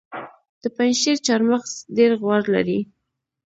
د پنجشیر چهارمغز ډیر غوړ لري.